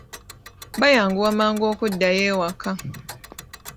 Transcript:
Baayanguwa mangu okuddayo ewaka.